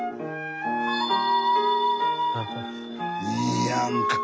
いいやんか。